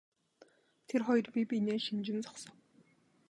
Тэр хоёр бие биенээ шинжин зогсов.